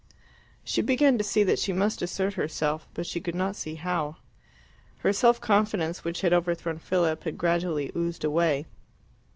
She began to see that she must assert herself, but she could not see how. Her self confidence, which had overthrown Philip, had gradually oozed away.